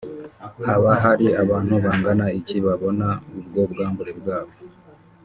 Haba hari abantu bangana iki babona ubwo bwambure bwabo